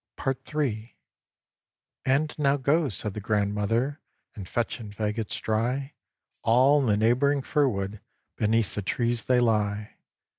PART III "And now go," said the grandmother, "And fetch in fagots dry; All in the neighbouring fir wood, Beneath the trees they lie."